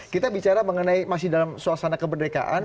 kita bicara mengenai masih dalam suasana kemerdekaan